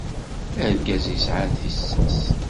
Argaz yesɛan tissas.